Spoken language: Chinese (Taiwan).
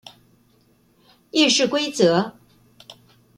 議事規則